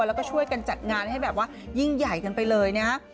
แล้วก็ช่วยกันจัดงานให้แบบว่ายิ่งใหญ่กันไปเลยนะฮะ